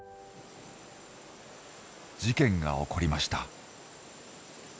事件が起こりました。